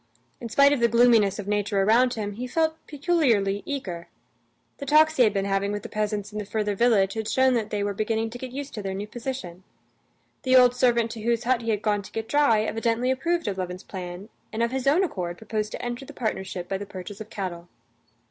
In spite of the gloominess of nature around him, he felt peculiarly eager. The talks he had been having with the peasants in the further village had shown that they were beginning to get used to their new position. The old servant to whose hut he had gone to get dry evidently approved of Levin's plan, and of his own accord proposed to enter the partnership by the purchase of cattle.